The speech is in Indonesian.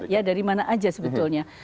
ya dari mana aja sebetulnya